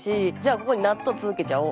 ここに納豆つけちゃおう。